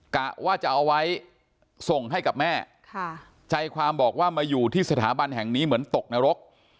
กะว่าจะเอาไว้ส่งให้กับแม่ค่ะใจความบอกว่ามาอยู่ที่สถาบันแห่งนี้เหมือนตกนรก